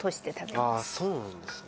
そうなんですか。